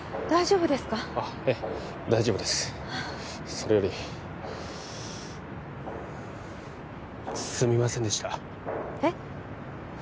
それよりすみませんでしたえっ？